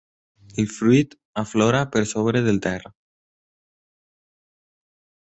El fruit aflora per sobre del terra.